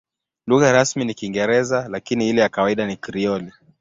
Lugha rasmi ni Kiingereza, lakini ile ya kawaida ni Krioli.